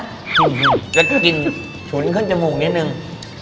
กินจมูกจะกินฉุนขึ้นจมูกนิดนึง